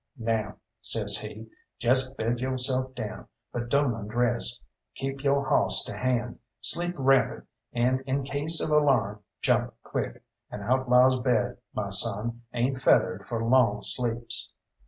"Now," says he, "jest bed yo'self down, but don't undress. Keep yo' hawss to hand, sleep rapid, and in case of alarm jump quick. An outlaw's bed, my son, ain't feathered for long sleeps."